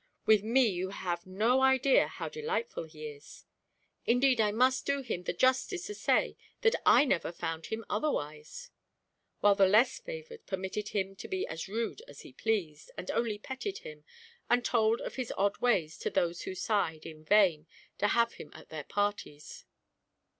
"With me you have no idea how delightful he is." "Indeed I must do him the justice to say, that I never found him otherwise." While the less favoured permitted him to be as rude as he pleased, and only petted him, and told of his odd ways to those who sighed in vain to have him at their parties.